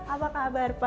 apa kabar pak